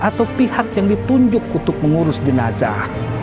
atau pihak yang ditunjuk untuk mengurus jenazah